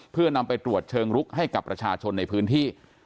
เพื่อนำไปตรวจเชิงลุกให้กับประชาชนในพื้นที่